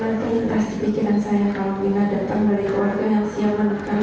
tidak pernah terintas di pikiran saya kalau mirna datang dari keluarga yang siang menekan